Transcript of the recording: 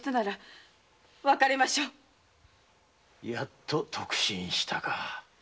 やっと得心したか。